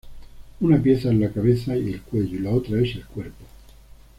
Una pieza es la cabeza y el cuello y la otra es el cuerpo.